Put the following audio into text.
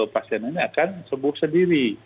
pasien ini akan sembuh sendiri